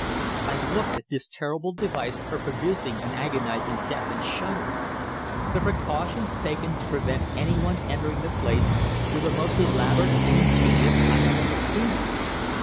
I looked at this terrible device for producing an agonizing death and shuddered. The precautions taken to prevent anyone entering the place were the most elaborate and ingenious I had ever seen.